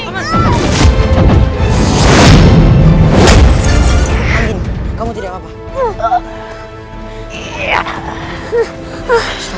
pak pajim kamu tidak apa apa